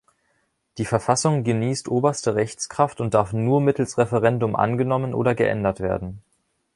Die Verfassung genießt oberste Rechtskraft und darf nur mittels Referendum angenommen oder geändert werden.